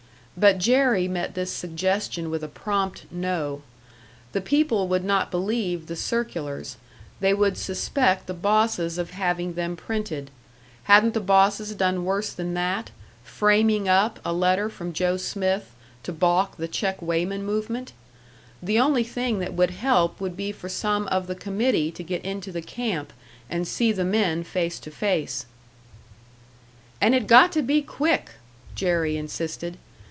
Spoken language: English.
But Jerry met this suggestion with a prompt no. The people would not believe the circulars, they would suspect the bosses of having them printed. Hadn't the bosses done worse than that, "framing up" a letter from Joe Smith to balk the check weighman movement? The only thing that would help would be for some of the committee to get into the camp and see the men face to face. "And it got to be quick!" Jerry insisted.